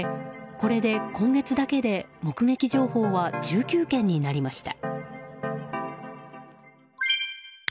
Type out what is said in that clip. これで今月だけで目撃情報は１９件になりました。